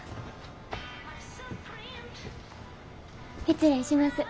失礼します。